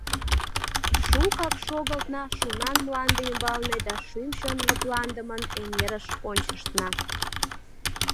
Шукак шогылтна шунан мланде ӱмбалне да шӱм-чон лыпланыдымын эҥерыш ончыштна.